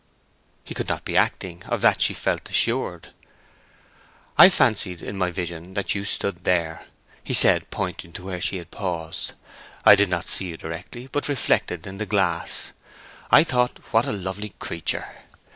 He could not be acting; of that she felt assured. "I fancied in my vision that you stood there," he said, pointing to where she had paused. "I did not see you directly, but reflected in the glass. I thought, what a lovely creature!